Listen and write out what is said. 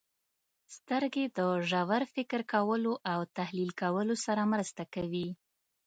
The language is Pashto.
• سترګې د ژور فکر کولو او تحلیل کولو سره مرسته کوي.